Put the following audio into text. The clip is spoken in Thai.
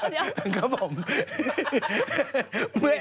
เดี๋ยวครับผม